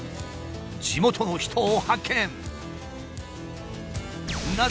地元の人を発見。